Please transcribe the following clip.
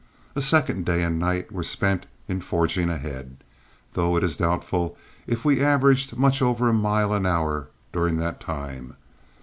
A second day and night were spent in forging ahead, though it is doubtful if we averaged much over a mile an hour during that time.